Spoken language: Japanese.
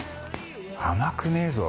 甘くねえぞ。